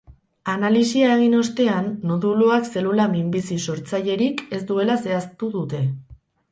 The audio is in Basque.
Analisia egin ostean, noduluak zelula minbizi-sortzailerik ez duela zehaztu dute.